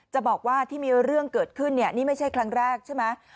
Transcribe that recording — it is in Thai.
จะบอกว่าที่มีเรื่องเกิดขึ้นเนี่ยนี่ไม่ใช่ครั้งแรกใช่ไหม